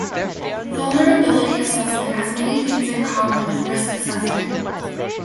Vulnerability assessment has many things in common with risk assessment.